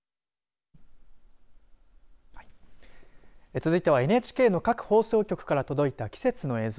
続いてはＮＨＫの各放送局から届いた季節の映像。